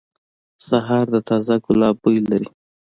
سهار د تازه ګلاب بوی لري.